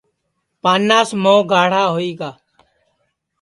پاناس موھ گاھڑا ہوئی گا